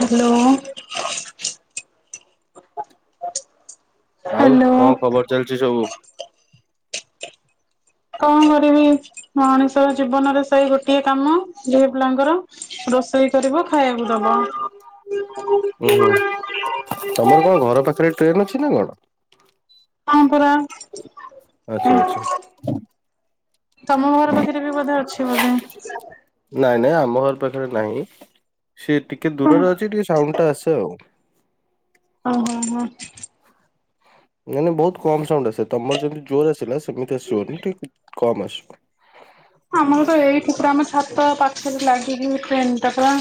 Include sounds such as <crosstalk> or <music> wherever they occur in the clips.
Hello ଆଉ hello କଣ <unintelligible> କଣ କରିବି ମଣିଷ ଜୀବନରେ ସେଇ ଗୋଟିଏ କାମ ଝିଏ ପିଲାଙ୍କର ରୋଷେଇ କରିବ ଖାଇବାକୁ ଦବ। ହ ଉ ହୋଁ ତମର କଣ ଘର ପାଖରେ ଟ୍ରେନ ଅଛି ନା କଣ? ହଁ ପରା ଆଚ୍ଛା ଆଚ୍ଛା। ତମ ଘର ପାଖରେ ବି ବୋଧେ ଅଛି ବୋଧେ? ନାଇଁ ନାଇଁ ଆମ ଘର ପାଖରେ ନାହିଁ। ସିଏ ଟିକେ ଶୁଣ ଦୂରରେ ଅଛି ଟିକେ ସାଉଣ୍ଡ ଟା ଆସେ ଆଉ। ଓହୋ ହୋ ନାଇଁ ନାଇଁ ବହୁ କମ ସାଉଣ୍ଡ ଆସେ ତମର ଯେମିତି ଜୋର ଆସିଲା ସେମିତି ଆସିବନି ଠିକ କମ୍ ଆସିବ। ଆମର ତ ଏଇଠି ପୁରା ଆମ ଛାତ ପାଖରେ ଲାଗିକି ଟ୍ରେନ୍ ଟା ପୁରା।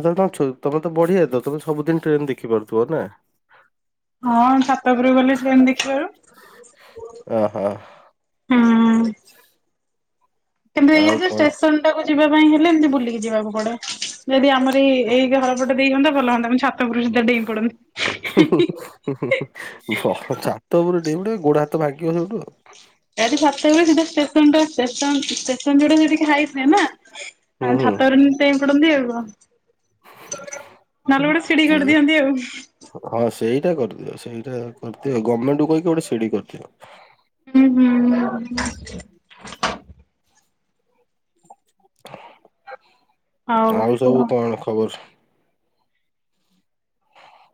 ଏ ତମେ ତ ବଢିଆ ତମେ ସବୁଦିନ ଟ୍ରେନ ଦେଖିପାରୁଥିବ ନା। ହଁ ଛାତଗରୁ ଗଲେ ଟ୍ରେନ ସ ଦେଖିବାରୁ। ଅହୋ ହଁ କିନ୍ତୁ ଆଉ ଇଏ ଯେ କଣ ଷ୍ଟେସନ ଟାକୁ ଯିବା ପାଇଁ ହେଲେ ଏମିତି ବୁଲିକି ଯିବାକୁ ପଡେ। ଯଦି ଆମର ଏଇ ଏଇ ଘର ବୋୋ ଦେଇଇୁ ଭଲ ହୁଅନ୍ତା। ମୁଁ ଛାତ ପୁରୁଷ ଦ୍ୱଇଁ ପଡ଼ନ୍ତି। ଛାତ ଉପୁର ଗଟ ଗୋଡ ହାତ ଭାଙ୍ଗିବ ସବଠୁ ଆଉ। ରାତି ସାତଟା ବେଳେ ସିଧା ଷ୍ଟେସନ ଟା େସନ ଯୁଡା ସେଠିକି ଖାଇଥିଲେ ନା ହୁଁ ଆଉ ହୁଁ। ଛାତରେ ପଡନ୍ତି ଆଉ କଣ। ନହେଲେ ଗୋଟେ ସିଢଡି କରି କିଏ ଦିଅନ୍ତି ଆଉ। ହଁ ସେଇଟା କରିଦିଅ ସେଇଟା କରିଦିଅବି। ଗଭର୍ଣ୍ଣମେଣ୍ଟୁ କହିକି ଗୋଟେ ସିଡି କରିଦିଅ। ହୁଁ ହୁଁ ହ ହ ହଉ ଆଉ କୁହ। ସବୁ କଣ ଖବର?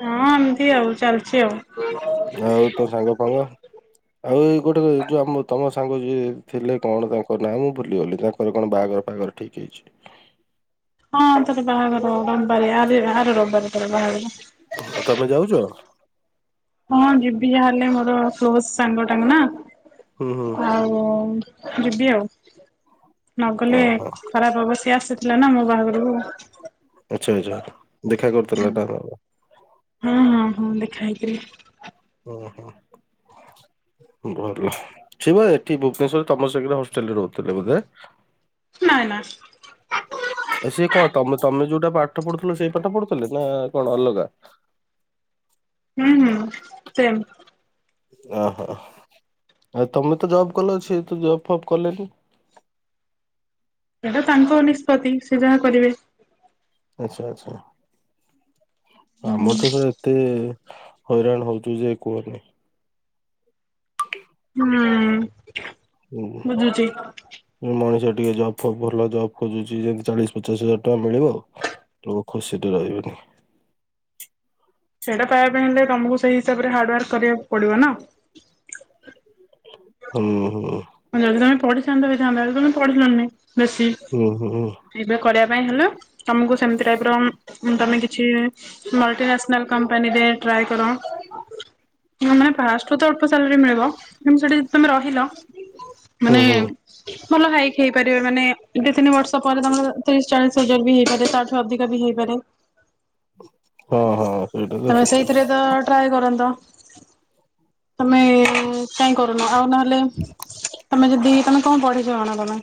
ହଁ ଏମିତି ଆଉ ଚାଲିଛି ଆଉ। ଆଉ ତୋ ସାଙ୍ଗ ଫାଙ୍ଗ? ଆଉ ଏଇ ଗୋଟେ ଯୋଉ ଆମ ତମ ସାଙ୍ଗ ଯିଏ ଥିଲେ କଣ ତାଙ୍କ ନାଁ ମୁଁ ଭୁଲିଗଲି ତା ରେ କଣ ବାହାଘର ଫାଘର ଠିକ୍ ହେଇଛି? ହଁ ତାର ବାହାଘର ରବିବାରେ ଆରି ଆର ରବିବାର ତାର ବାହାଘର। ତମେ ଯାଉଛ? ହଁ ଯିବି ଯାହେଲେ ମୋର କ୍ଲୋଜ ସାଙ୍ଗ ଟା ନା ହୁଁ ହୁଁ। ଆଉ। ଓ ଯିବି ଆଉ। ନଗଲେ ଓହୋ ଖରାପ ହବ ସେ ଆସିଥିଲା ନା ମୋ ବାହାଘରକୁ। ଆଛା ଆଚ୍ଛା ଦେଖା କରିଥିଲା ତାହେଲେ। ହଁ ହଁ ହଁ ଦେଖା ହେଇଥିଲୀ। ଓ ହୋ ଭଲ ସେ ବା ଏଠି ଭୁବନେଶ୍ୱରରେ ତମ ସାଙ୍ଗରେ ହଷ୍ଟେଲରେ ରହୁଥିଲେ ବୋଧେ? ନା ନା। ସିଏ କଣ ତମେ ତମେ ଯୋଉଟା ପାଠ ପଢୁଥିଲ ସେଇ ପାଠ ପଢୁଥିଲେ ନା କଣ ଅଲଗା? <inaudible> ହୁଁ ହୁଁ ସେମ୍ ଓହୋ ଆ ତମେ ତ ଜବ୍ କଲ ସେ ତ ଜବ୍ ଫବ୍ କଲେନି? ଏଇଟା ତାଙ୍କ ନିଷ୍ପତ୍ତି ସେ ଯାହା କରିବେ ଆଚ୍ଛା ଆଚ୍ଛା ଆମର ତ ସବୁ ଏତେ ହଇରାଣ ହେଉଛୁ ଯେ କୁହନି। <inaudible> ହୁଁ। ହୁଁ। ବୁଝୁଛି। ମଣିଷ ଟିକେ ଜବ ଫବ୍ ଭଲ ଜବ୍ ଖୋଜୁଛି ଯେମିତି ଚାଳିଶ ପଚାଶ ହଜାର ଟଙ୍କା ମିଳିବ ଲୋକ ଖୁସୀ ରେ ରହିବେନି। ସେଇଟା ତା ପାଇଁ ହେଟା କାମକୁ ସେଇ ହିସାବରେ ହାର୍ଡ ୱାର୍କ କରିବାକୁ ପଡ଼ିବ ନା ହୁଁ ହୁଁ। ଯଦି ତମେ ପଢ଼ିଥାନ୍ତ ବି ହେଇଥାନ୍ତା ତମେ ପଢ଼ିଲନି ବେଶୀ ହୁଁ ହୁଁ ହୁଁ ଏବେ କରିବା ପାଇଁ ହେଲା ତମକୁ ସେମତି ଟାଇପ୍ ର ତମେ କିଛି ମଲ୍ଟିନାସନାଲ କମ୍ପାନୀରେ ଟ୍ରାଏ କର ହ ମାନେ ଫାର୍ଷ୍ଟ ରୁ ତ ଅଳ୍ପ ସାଲରୀ ମିଳିବ କିନ୍ତୁ ସେଠିି ତମେ ରହିଲ ହୁଁ ମାନେ ହୁଁ। ଭଲ ହାଇକ୍ ହେଇପାରିବ ମାନେ ଦି ତିନି ବର୍ଷ ପରେ ତମର ତିରିଶ ଚାଳିଶ ହଜାର ବି ହେଇପାରିବ ତାଠୁ ଅଧିକା ବି ହେଇପାରେ। ହଁ ହଁ। ସେଇଟା ତ ତମେ ଠିକ କଥା ସେଇଥିରେ ତ ଟ୍ରାଏ କରନ୍ତ ତମେ କାଇ କରୁନ ଆଉ ନହେଲେ ତମେ ଯଦି ତମେ କଣ ପଢ଼ିଚ କଣ ତମେ?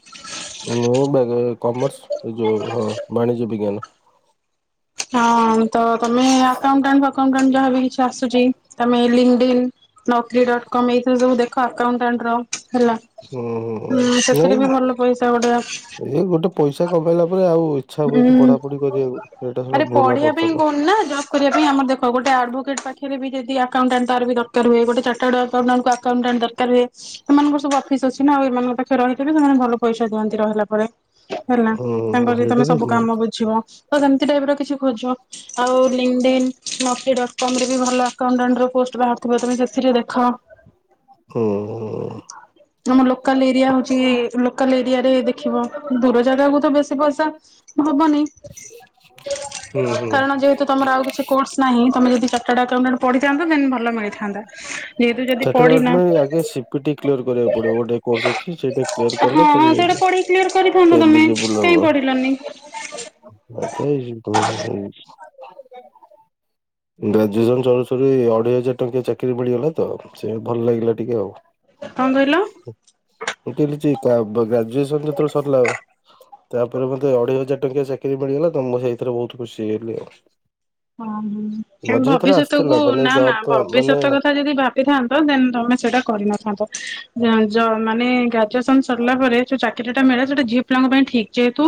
ମୁଁ ବା ଗ କମର୍ସ ଏ ଯୋଉ ହଁ ବାଣିଜ୍ୟ ବିଜ୍ଞାନ ହଁ ତ ତମେ ଆକାଉଣ୍ଟାଣ୍ଟ ଫାକାଉଣ୍ଟାଣ୍ଟ ଯାହାବି କିଛି ଆସୁଛି ତମେ LinkedIn Naukri dot com ଏଇଥିରେ ସବୁ ଦେଖ ଆକାଉଣ୍ଟାଟ୍ ର ହେଲା ହୁଁ ସେଥିରେ ବି ଭଲ ପଇସା ଗୋଟେ ଏ ଗୋଟେ ପଇସା କମେଇଲା ପରେ ଆଉ ଇଚ୍ଛା ହୁଏନି ଉଁ ପଢ଼ାପଢ଼ି କରିବାକୁ ଏଇଟା ହେଲା ଆରେ ଭୁଲ୍ ପଢିବା ପାଇଁ <unintelligible> କହୁନି ନା ଜବ୍ କରିବା ପାଇଁ ଆମ ଦେଖ ଗୋଟେ ଆଡଭୋକେଟ୍ ପାଖରେ ବି ଯଦି ଆକାଉଣ୍ଟାଣ୍ଟ ତାର ବି ଦରକାର ହୁଏ ଗୋଟେ ଚାଟାଡ଼ ଆକାଉଣ୍ଟାଣ୍ଟ କୁ ଆକାଉଣ୍ଟାଣ୍ଟ ଦରକାର ହୁଏ। ତାହାଲେ ସେମାନଙ୍କର ସବୁ ଅଫିସ୍ ଅଛି ନା ଆଉ ଏମାନଙ୍କ ପାଖରେ ରହିକି ବି ସେମାନେ ଭଲ ପଇସା ଦିଅନ୍ତି ରହିଲା ପରେ। ହେଲା ତାଙ୍କର ହୁଁ ଏଇଟା ଯେତେବେଳେ ତ ସବୁ କାମ ଦିଅନ୍ତି ବୁଝିବ ତ ସେମିତି ଟାଇପ୍ ର କିଛି ଖୋଜ ଆଉ ଲିନ୍ ଡିନ୍ ନକ୍ରି ଡଟ୍ କମ ରେ ବି ଭଲ ଆକାଉଣ୍ଟାଣ୍ଟ ର ପୋଷ୍ଟ ବାହାରୁଥିବ ତମେ ସେଥିରେ ଦେଖ। ହୁଁ ହୁଁ। ଆମ ଲୋକାଲ୍ ଏରିଆ ହଉଛି ଲୋକାଲ୍ ଏରିଆ ରେ ଦେଖିବ ଦୂର ଜାଗାକୁ ତ ବେଶୀ ପଇସା ହବନି ହୁଁ ହୁଁ କାରଣ ଯେହେତୁ ତମର ଆଉ କିଛି କୋର୍ସ ନାହିଁ। ତମେ ଯଦି ଚର୍ଟାଡ ଆକାଉଣ୍ଟଟେଡ୍ ପଢ଼ିଥାନ୍ତ। ଦେନ୍ ଭଲ ମିଳିଥାନ୍ତା। ଯେହେତୁ ଯଦି ଚାର୍ଟାଡ ପଢିନ ଆକାଉଣ୍ଟ ଆଗେ ସିକ୍ୟୁରିଟି କ୍ଲିୟର୍ କରିବାକୁ ପଡିବ। ଗୋଟେ କୋର୍ସ ଅଛି। ସେଇଟାକୁ କ୍ଲିୟର୍ ହଁ କଲେ ହଁ ତାପ ସେଇଟା ପଢ଼ିକି କ୍ଲିୟର୍ କରିଥାନ୍ତ। ତମେ କହିଁକି ପଢ଼ିଲାନି? <unintelligible> <inaudible> ଗ୍ରାଜୁଏସନ୍ ସରୁ ସରୁ ଏ ଅଢ଼େଇ ହଜାର ଟଙ୍କିଆ ଚାକିରି ମିଳିଗଲା ତ ସେ ଭଲ୍ ଲାଗିଲା ଟିକେ ଆଉ। କଣ କହିଲ? ମୁଁ କହିଲି ଯେ କା ବ୍ ଗ୍ରାଜୁଏସନ୍ ଯେତେବେଳେ ସରିଲା ତାପରେ ମୋତେ ଅଢ଼େଇ ହଜାର ଟଙ୍କିଆ ଚାକିରି ମିଳିଗଲା ତ ମୁଁ ସେଇଥିରେ ବହୁତ ଖୁସି ହେଇ ଗଲି ଆଉ। ହଁ ହୁଁ, ତେଣୁ ମଝିରେ ଥରେ ଭବିଷ୍ୟତ କୁ ଆସିଥିଲା ମାନେ ନା ନା ଜବ ମାନେ ଭବିଷ୍ୟତ କଥା ଯଦି ଭାବ ବିଥାନ୍ତ, ଦେନ୍ ତୋମେ ସେଇଟା କରି ନଥାନ୍ତ। ଜଞ୍ଜ ମାନେ ଗ୍ରାଜୁଏସନ୍ ସରିଲା ପରେ ଯୋଉ ଚାକିରି ଟା ମିଳେ ସେଇଟା ଝିଅ ପିଲାଙ୍କ ପାଇଁ ଠିକ୍। ଯେହେତୁ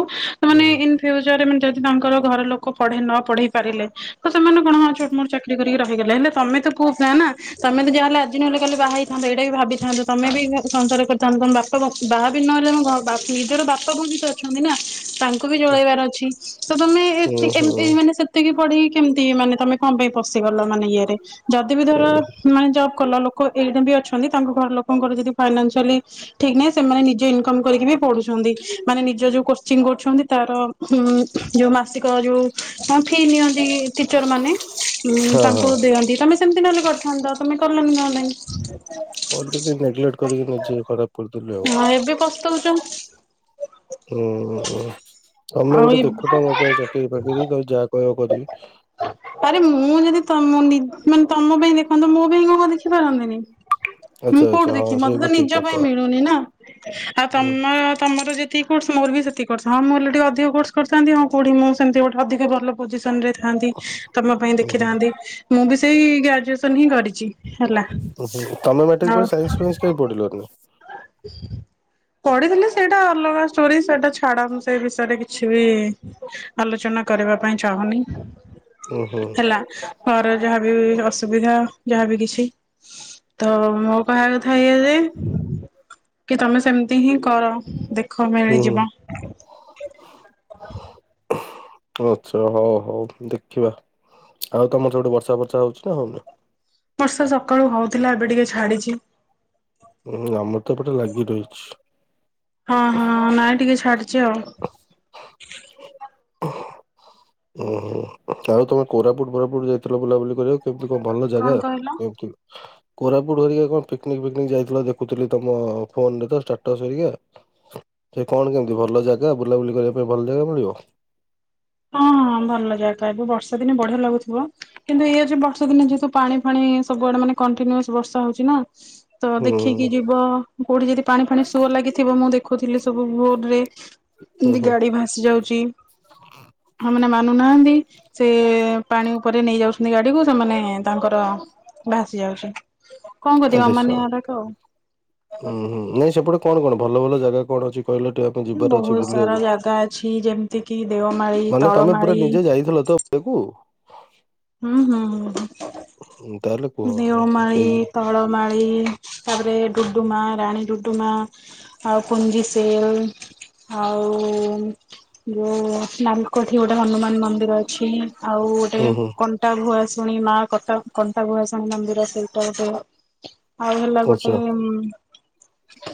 ହୁଁ ସେମାନେ ଇନ୍ ଫ୍ୟୁଚର୍ ରେ ମାନେ ଯଦି ତାଙ୍କର ଘର ଲୋକ ପଢେଇ ନ ପଢ଼େଇ ପାରିଲେ। ତ ସେମାନେ କଣ ହଁ ଛୋଟ୍ ମୋଟ୍ ଚାକିରି କରିକି ରହିଗଲେ। ହେଲେ ତୋମେ ତ ପୁଅ ପିଲା ନା? ତୋମେ ତ ଯାହା ହେଲେ ଆଜି ନହେଲେ କାଲି ବାହା ହେଇଥାନ୍ତ। ଏଇଟା ବି ଭାବିଥାନ୍ତ, ତୋମେ ବି ଏଇନା ସଂସାର କରିଥାନ୍ତ। ତୋମ ବା ତୋମ ବାହା ବି ନହେଲେ କଣ, ବାପ୍ ନିଜର ବାପା ବୋଉ ବି ତ ଅଛନ୍ତି ନା, ତାଙ୍କୁ ବି ଚଳେଇବାର ଅଛି। ତ ତୋମେ ହୁଁ ଏତି ଏମ୍ ହୁଁ। ଏଇ ମାନେ ସେ ତିକି ପଢ଼ିକି କେମିତି ମାନେ ତୋମେ କଣ ପାଇଁ ପଶିଗଲ ମାନେ ଇଏ ରେ? ଯଦି ବି ଧର ଉଁ ମାନେ ଜବ୍ କଲ, ଲୋକ ଏଇ ଟାଇପ୍ ର ବି ଅଛନ୍ତି। ତାଙ୍କ ଘର ଲୋକଙ୍କର ଯଦି ଫାଇନାନ୍ସିଆଲି ଠିକ୍ ନାହିଁ ସେମାନେ ନିଜ ଇନକମ୍ କରିକି ବି ପଢ଼ୁଛନ୍ତି। ମାନେ ନିଜର ଯୋଉ କୋଚିଂ କରୁଛନ୍ତି ତାର ହୁଁ, ଯୋଉ ମାସିକ ଯୋଉ ହଁ ଫିସ୍ ନିଅନ୍ତି ଟିଚର୍ ମାନେ ଉଁ, ହଁ ହଁ ତାଙ୍କୁ ଦିଅନ୍ତି, ତୋମେ ସେମିତି ନହେଲେ କରିଥାନ୍ତ। ତୋମେ କଲନି କଣ ପାଇଁ? କଲିନି ନେଗଲେଟ୍ କରିକି ନିଜେ ଖରାପ କରି ଦେଲି ହଁ ଏବେ ପସ୍ତଉଛ ଆଉ। ଅ, ଅ, ତୋମେ ଗୋଟେ ଆଉ ଦେଖୁଥାଅ ମୋ ପାଇଁ ଚାକିରି ଫାକିରି, ତୋମେ ଯାହା କହିବ କରିବି। ଆରେ ମୁଁ ଯଦି ତୋମ ନି- ମାନେ ତୋମ ପାଇଁ ଦେଖନ୍ତୁ। ମୋ ପାଇଁ କଣ ମୁଁ ଆଉ ଦେଖି ପାରନ୍ତିନି? <unintelligible> ମୁଁ ଆଚ୍ଛା କୋଉଠୁ ହଁ ଦେଖିବି? ସେ ମୋତେ ତ ବି ଠିକ ନିଜ ପାଇଁ କଥା। ମିଳୁନି ନା। ଆଉ ତୋମର ତୋମର ଯ ଯେତିକି କୋର୍ସ ମୋର୍ ବି ସେତିକି କୋର୍ସ। ହଁ ମୁଁ ହେଲେ ଟିକେ ଅଧିକ କୋର୍ସ କରିଥାନ୍ତି, ହଁ କୋଉଠି ମୁଁ ସେମିତି ଗୋଟେ ଅଧିକ ଭଲ ପୋଜିସନ୍ ରେ ଥାଆନ୍ତି। ତୋମ ପାଇଁ ଦେଖିଥାନ୍ତି। ମୁଁ ବି ସେଇ ଗ୍ରାଜୁଏସନ୍ ହିଁ କରିଚି ହେଲା। ଓହୋ, ତୋମେ ମେଟ୍ରିକ୍ ଆଉ ପରେ ସାଇନ୍ସ ଫାଇନ୍ସ କାଇଁ ପ ପଢ଼ିଲନି? <inaudible> ପଢ଼ିଥିଲି। ସେଇଟା ଅଲଗା ଷ୍ଟୋରୀ ସେଟା ଛାଡ଼ ମୁଁ ସେ ବିଷୟରେ କିଛି ବି ଆଲୋଚନା କରିବା ପାଇଁ ଚାହୁଁନି ଉଁ ହୁଁ। ହେଲା। ଘରେ ଯାହାବି ଅସୁବିଧା ଯାହା ବି କିଛି ତ ମୋ କହିବା କଥା ଏଇଆ ଯେ କି ତୋମେ ସେମିତି ହିଁ କର, ଦେଖ ହୁଁ ହୁଁ ମିଳିଯିବ। <unintelligible> ଆଚ୍ଛା, ହଉ ହଉ ଦେଖିବା। ଆଉ ତୋମର ସେପଟେ ବର୍ଷା ଫର୍ଷା ହୋଉଛି ନା ହୋଉନି? ବର୍ଷା ସକାଳୁ ହୋଉଥିଲା ଏବେ ଟିକେ ଛାଡିଛି। ଉଁ, ଆମର ତ ଏପଟେ ଲାଗି ରହିଛି। ହଁ, ହଁ ନାଇଁ ଟିକେ ଛାଡିଛି ଆଉ। ଓଃ, ଓହୋ ଓ, ଆଉ ତୋମେ କୋରାପୁଟ୍ ଫୋରାପୁଟ୍ ଯାଇଥିଲ ବୁଲାବୁଲି କରିବା କେମିତି କଣ ଭଲ ଜାଗା? କେମିତି କୋରାପୁଟ ହେରିକା କଣ ପିକନିକ୍ ଫିକନିକ୍ ଯାଇଥିଲ ଦେଖୁଥିଲି ତୋମ ଫୋନ୍ ରେ ତ ଷ୍ଟାଟସ୍ ହେରିକା। ସେ କଣ କେମିତି ଭଲ ଜାଗା ବୁଲାବୁଲି କରିବା ପାଇଁ ଭଲ ଜାଗା ମିଳିବ? ହଁ, ହଁ ଭଲ ଜାଗା ଏବେ ବର୍ଷା ଦିନେ ବଢ଼ିଆ ଲାଗୁଥିବ। କିନ୍ତୁ ଏଇଆ ଯେ ବର୍ଷା ଦିନେ ଯେହେତୁ ପାଣି ଫାଣି ସବୁ ଆଡ଼େ ମାନେ କଣ୍ଟିନିୟୁସ୍ ବର୍ଷା ହଉଛି ନା ତ ହୁଁ ଦେଖିକି ଯିବ। କୋଉଠି ଯଦି ପାଣି ଫାଣି ସୁଅ ଲାଗିଥିବ ମୁଁ ଦେଖୁଥିଲି ସବୁ ଫୋନ୍ ରେ ହୁଁ ଏମିତି ହୁଁ ଗାଡି ଭାସ ସି ଯାଉଛି। ହଁ ମାନେ ମାନୁନାହାନ୍ତି ସେ ପାଣି ଉପରେ ନେଇ ଯାଉଛନ୍ତି ଗାଡିକୁ ସେମାନେ ତାଙ୍କର ଭାସି ଯାଉଚି କଣ ଏ କରିବେ ଦେଶ ଅମାନିଆରାକ ଆଉ। ଉଁ ହୁଁ ନାଇଁ ସେପଟେ କଣ କଣ ଭଲ ଭଲ ଜାଗା କଣ ଅଛି? କହିଲ ଟିକେ ଆମେ ଯିବାର ଅଛି ବହୁତ ସାରା ବୁଲିବାକୁ ଜାଗା ଅଛି ଯେମିତି କିି ଦେଓମାଳି ମାନେ ତମେ ପୁରା ତଳମାଳି ନିଜେ ଯାଇଥିଲ ତ? ଇଏକୁ ହୁଁ ହୁଁ ହୁଁ ତାହେଲେ କୁହ ହୁଁ ହଁ ସେଇ ଦେଓମାଳି ତ ହଳମାଳି ତାପରେ ଡୁଡୁମା, ରାଣୀ ଡୁଡୁମା ଆଉ ପୁଞ୍ଜିସେଲ୍। ଆଉ ଯୋଉ ନାଲକୋଠି ଗୋଟେ ହନୁମାନ ମନ୍ଦି ର ଅଛି ଆଉ ଗୋଟେ ହୁଁ ହୁଁ କଣ୍ଟା ଭୁଆଶୁଣି ମା କଟା କଣ୍ଟା ଭୁଆଶୁଣି ମନ୍ଦିର ସେଇଟା ଗୋଟେ ଆଉ ହେଲା ଆଚ୍ଛା ଗୋଟେ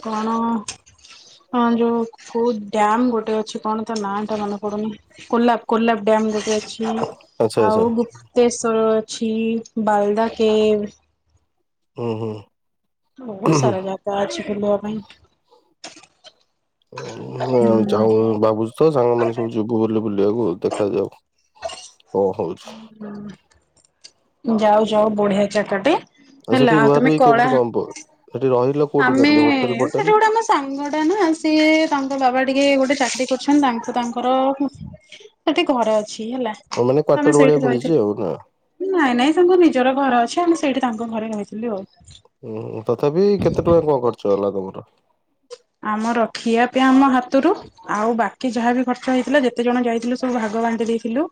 କଣ? ହଁ ଯୋଉ କୋଉ ଡ୍ୟାମ୍ ଗୋଟେ ଅଛି କଣ ତା ନାଁ ଟା ମନେ ପଡୁନି କୋଲାପ୍ କୋଲାପ୍ ଡ୍ୟାମ୍ ଗୋଟେ ଅଛି। ହୁଁ ଆଚ୍ଛା ଆଚ୍ଛା ଆଉ ଗୁପ୍ତେଶ୍ଵର ଅଛି ବାଲଦା କେ ଉଁ ହୁଁ। ବୋହୁତ ସାରା ଜାଗା ଅଛି ବୁଲିବା ପାଇଁ। ହଁ ଚାଉଁ ହୁଁ ବାବୁ ସ ସାଙ୍ଗମାନେ ସବୁ ଯିବୁ ବୁଲି ବୁଲିବାକୁ ଦେଖାଯାଉ କଁ ହଉଛି। ହୁଁ ଯାଉଚ ଆଉ ବଢିଆ ଜାଗାଟେ। ଆଉ ହେଲା ସେଠି ରୁହା ତମେ ରୁହି କଳା କେମତି କଁ ପ ସେଠି ରହିିଲ ଆମେ ସେଠି ଗୋଟେ ଆମ ସାଙ୍ଗ ଟା ନା ସିଏ ତାଙ୍କ ବାବା ଟିକେ ଗୋଟେ ଚାକିରି କରିଛନ୍ତି ତାଙ୍କୁ ତାଙ୍କର ସେଠି ଘର ଅଛି ହେଲା ହଁ, ମାନେ କ୍ଵାର୍ଟର ଆମେ ଭଳିଆ ସେଇଠି ମିଳିଛି ରହିଥିଲୁ। ଆଉ ନା। ନାଇଁ ନାଇଁ ସେମିତି ନିଜର ଘର ଅଛି ଆମେ ସେଇଠି ତାଙ୍କ ଘରେ ରହିଥିଲି ଆଉ। ଉଁ ତଥାପି କେତେ ଟଙ୍କା କଁ ଖର୍ଚ୍ଚ ହେଲା ତମର? ଆମର ଖିଆ ପିଆ ଆମ ହାତୁରୁ। ଆଉ ବାକି ଯାହାବି ଖର୍ଚ୍ଚ ହେଇଥିଲା ଯେତେ ଜଣ ଯାଇଥିଲୁ ସବୁ ଭାଗ ବାଣ୍ଟି ଦେଇଥିଲୁ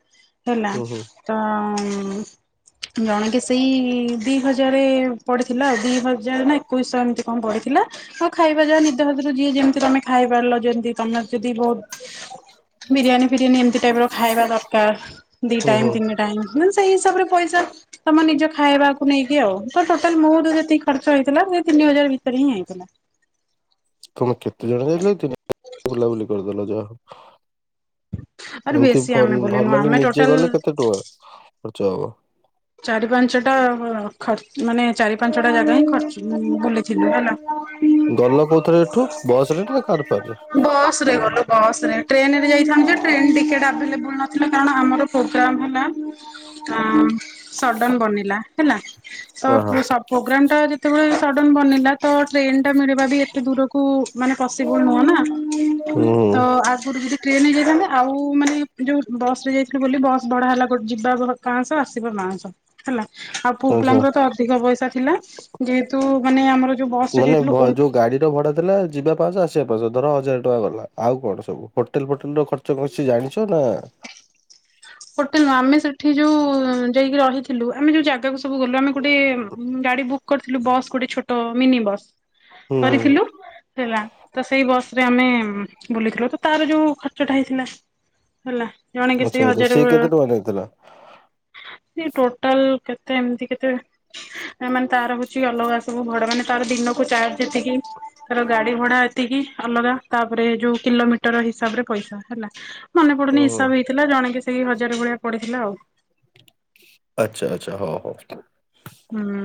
ହେଲା। ହୁଁ ହୁଁ ତ ଜଣକେ ସେଇ ଦି ହଜାରେ ପଡ଼ିଥିଲା ଆଉ ଦି ହଜାରେ ନା ଏକୋଇଶହ ଏମିତି କଣ ପଡ଼ିଥିଲା। ହଁ ଖାଇବା ଯାହା ନିଦ ହାତୁରୁ ଯିଏ ଯେମିତି ତମେ ଖାଇ ପାରିଲ ଯେମିତି ତମେ ଯଦି ବହୁତ ବିରିୟାନୀ ଫିରିୟାନୀ ଏମିତି ଟାଇପ ର ଖାଇବା ଦରକାର ଦି ହୁଁ ହୁଁ ଟାଇମ୍ ତିନି ଟାଇମ। ହଁ ସେଇ ହିସାବରେ ପଇସା ତମ ନିଜ ଖାଇବାକୁ ନେଇକି ଆଉ ତ ଟୋଟାଲ ମୋର ଯେତିକ୍ ଖର୍ଚ୍ଚ ହେଇଥିଲା ସେ ତିନି ହଜାର ଭିତରେ ହିଁ ହେଇଥିଲା। ତମେ କେତେ ଜଣ ଯାଇଥିଲ କି <unintelligible> ବୁଲାବୁଲି କରିଦେଲ ଯାହାହଉ। ଆରେ ଏମିତି ବେଶୀ ଆମେ ବୁଲିନୁ ଫର୍-ଫର୍ମାଲି ଆମେ ନିଜେ ଟୋଟାଲ ଗଲେ କେତେ ଟଙ୍କା ଖର୍ଚ୍ଚ ହବ? ଚାରି ପାଞ୍ଚଟା ଖର୍ଚ ମାନେ ଚାରି ପାଞ୍ଚଟା ଜାଗା ହିଁ ଖର୍ଚ୍ଚ ବୁଲିଥିଲୁ ହେଲା। ଗଲ କୋଉଥିରେ ଏଠୁ ବସ ରେ ନା କାର ଫା ବସ ରେ ଗଲୁ ବସ ରେ ଟ୍ରେନରେ ଯାଇଥାନ୍ତୁ ଯେ ଟ୍ରେନ ଟିକେଟ ଆଭେଲେବୁଲ ନ <unintelligible> ଆମର ପୋଗ୍ରାମ ହେଲା ଆ ସଡ଼ନ ବନିଲା ହେଲା ତ ଓହୋ। ପୋ ସ ପୋଗ୍ରାମ୍ ଟା ଯେତେବେଳେ ସଡ଼ନ ବନିଲା ତ ଟ୍ରେନ୍ ଟା ମିଳିବା ବି ଏତେ ଦୂରକୁ ମାନେ ପସିବୁଲ ନୁହଁ ନା। ହୁଁ ତ ଆଗୁରୁ ଯଦି ଟ୍ରେନ୍ ରେ ଯାଇଥାନ୍ତେ ଆଉ ମାନେ ଯୋଉ ବସ ରେ ଯାଇଥିଲୁ ବୋଲି ବସ୍ ଭଢା ହେଲା ଗୋ ଯିବା ପାଆଁସ ଆସିବା ପାଆଁସ। ହେଲା ଆଉ ଆଚ୍ଛା ପୁଅପିଲାଙ୍କର ତ ଅଧିକ ପଇସା ଥିଲା। ଯେହେତୁ ମାନେ ଆମର ଯୋଉ ବସ୍ ରେ ମାନେ ଭ ଯାଇଥିଲୁ ଓମ୍ ଯୋଉ ଗାଡିର ଭଡା ଥେଲା ଯିବା ପାଞ୍ଚସହ ଆସିବା ପାଞ୍ଚସହ ଧର ହଜାରେ ଟଙ୍କା ଗଲା, ଆଉ କଣ ସବୁ ହୋଟେଲ୍ ଫୋଟେଲ୍ ର ଖର୍ଚ୍ଚ କଣ କିଛି ଜାଣିଛ ନା ହୋଟେଲ୍ ନୁହଁ, ଆମେ ସେଠି ଯୋଉ ଯାଇକି ରହିଥିଲୁ ଆମେ ଯୋଉ ଜାଗାକୁ ସବୁ ଗଲୁ ଆମେ ଗୋଟେ ଗାଡି ବୁକ୍ କରିଥିଲୁ ବସ୍ ଗୋଟେ ଛୋଟ ମିନି ବସ୍ ହୁଁ ହୁଁ। କରିଥିଲୁ। ହେଲା ତ ସେଇ ବସ୍ ରେ ଆମେ ବୁଲିଥିଲୁ ତ ତାର ଯୋଉ ଖର୍ଚ୍ଚଟା ହେଇଥିଲା ହେଲା ଜଣେକେ ଆଚ୍ଛା ସେଇ ହଜ ଆଚ୍ଛା ସିଏ କେତେ ଟଙ୍କା ନେଇଥିଲା? ସିଏ ଟୋଟାଲ୍ କେତେ ଏମ୍ତି କେତେ ନାଇଁ ମାନେ ତାର ହଉଚି ଅଲଗା ସବୁ ଭଡ଼ା, ମାନେ ତାର ଦିନକୁ ଚାର୍ଜ ଯେତିକି ସେ ତାର ଗାଡି ଭଡା ଏତିକି ଅଲଗା, ତାପରେ ଯୋଉ କିଲୋମିଟର ହିସାବ ରେ ପଇସା ହେଲା। ମନେ ପଡୁନି ଓହୋ ହିସାବ ହେଇଥିଲା, ଜଣେକେ ସେଇ ହଜାରେ ଭଳିଆ ପଡିଥିଲା ଆଉ। ଆଚ୍ଛା-ଆଚ୍ଛା ହଉ-ହଉ। ହୁଁ।